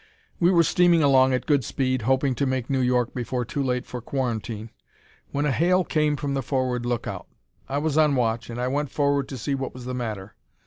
We were steaming along at good speed, hoping to make New York before too late for quarantine, when a hail came from the forward lookout. I was on watch and I went forward to see what was the matter.